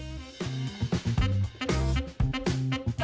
สวัสดีครับ